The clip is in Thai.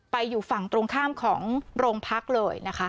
อยู่ฝั่งตรงข้ามของโรงพักเลยนะคะ